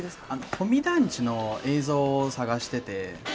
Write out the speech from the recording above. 保見団地の映像を探してて。